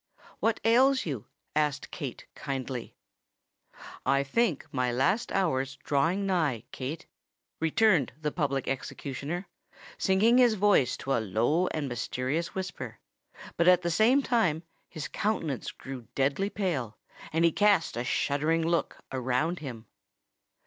"What ails you?" asked Kate, kindly. "I think my last hour's drawing nigh, Kate," returned the public executioner, sinking his voice to a low and mysterious whisper; but, at the same time, his countenance grew deadly pale, and he cast a shuddering look around him.